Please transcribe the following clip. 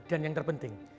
dan yang terpenting